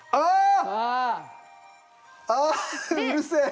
あうるせえ。